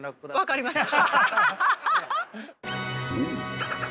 分かりました。